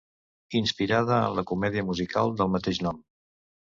Inspirada en la comèdia musical del mateix nom.